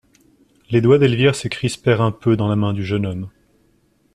Les doigts d'Elvire se crispèrent un peu dans la main du jeune homme.